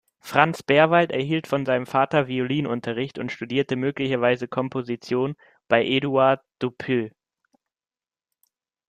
Franz Berwald erhielt von seinem Vater Violinunterricht und studierte möglicherweise Komposition bei Édouard Dupuy.